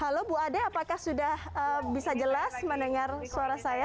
halo bu ade apakah sudah bisa jelas mendengar suara saya